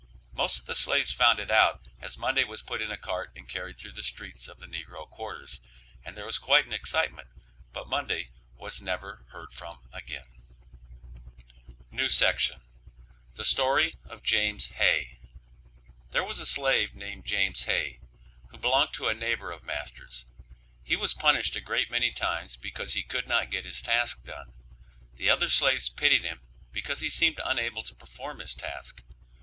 Most of the slaves found it out, as Monday was put in a cart and carried through the streets of the negro quarters, and there was quite an excitement, but Monday was never heard from again. THE STORY OF JAMES HAY. There was a slave named James Hay, who belonged to a neighbor of master's; he was punished a great many times because he could not get his task done. The other slaves pitied him because he seemed unable to perform his task.